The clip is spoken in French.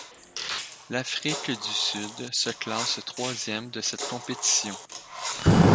L'Afrique du Sud se classe troisième de cette compétition.